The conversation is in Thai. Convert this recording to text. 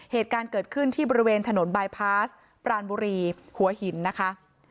เหตุการณ์เกิดขึ้นที่บริเวณถนนบายพาสปรานบุรีหัวหินนะคะ